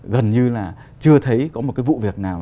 gần như là chưa thấy có một cái vụ việc nào